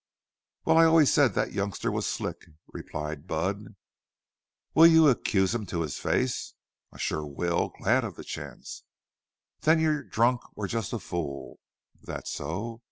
"Wal, I always said thet youngster was slick," replied Budd. "Will you accuse him to his face?" "I shore will. Glad of the chance." "Then you're drunk or just a fool." "Thet so?"